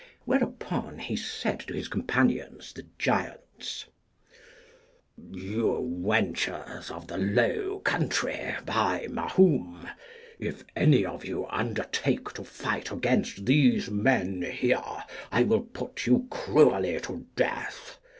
Whereupon he said to his companions the giants, You wenchers of the low country, by Mahoom! if any of you undertake to fight against these men here, I will put you cruelly to death.